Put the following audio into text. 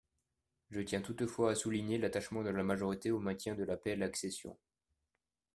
Je tiens toutefois à souligner l’attachement de la majorité au maintien de l’APL accession.